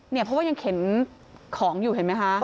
เพราะว่ายังเข็นของอยู่เห็นไหมคะ